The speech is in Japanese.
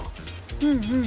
うんうん。